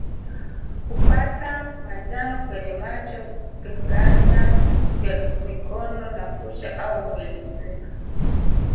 Kupata manjano kwenye macho vinganja vya mikono na kucha au mwili mzima